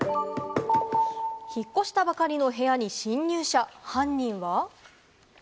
引っ越したばかりの部屋に侵入者、犯人は？